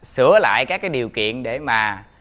sửa lại các cái điều kiện để mà